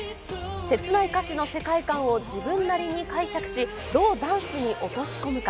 せつない歌詞の世界観を自分なりに解釈し、どうダンスに落とし込むか。